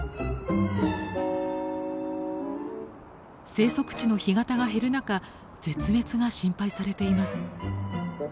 生息地の干潟が減る中絶滅が心配されています。